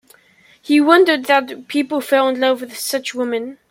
He wondered that people fell in love with such women.